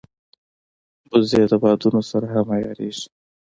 وزې د بادونو سره هم عیارېږي